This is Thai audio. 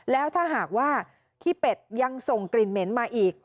แล้วถ้าหากว่าขี้เป็ดยังส่งกลิ่นเหม็นมาอีก